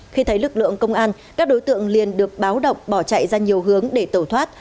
khi thấy lực lượng công an các đối tượng liền được báo động bỏ chạy ra nhiều hướng để tẩu thoát